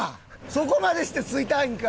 そこまでして吸いたいんか？